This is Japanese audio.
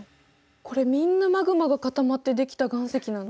これみんなマグマが固まって出来た岩石なの？